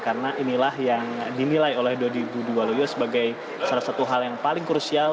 karena inilah yang dimilai oleh dodi budiwaluyo sebagai salah satu hal yang paling krusial